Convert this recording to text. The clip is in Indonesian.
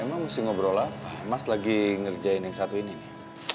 emang mesti ngobrol apa mas lagi ngerjain yang satu ini nih